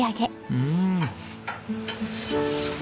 うん。